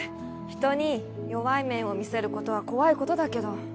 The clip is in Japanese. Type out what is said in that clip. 人に弱い面を見せることは怖いことだけど